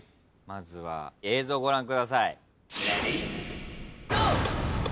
まずは映像ご覧ください。